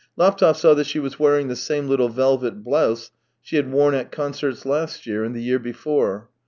Laptev saw that she was wearing the same little velvet blouse she had worn at concerts last year and the year before.